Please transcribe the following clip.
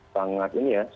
sangat ini ya